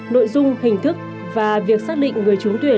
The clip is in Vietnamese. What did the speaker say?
nội dung hình thức và việc xác định người trúng tuyển